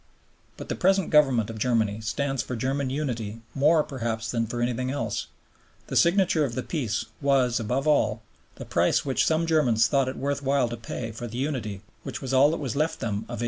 But the present Government of Germany stands for German unity more perhaps than for anything else; the signature of the Peace was, above all, the price which some Germans thought it worth while to pay for the unity which was all that was left them of 1870.